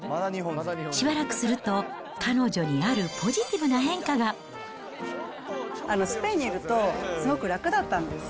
しばらくすると、スペインにいると、すごく楽だったんです。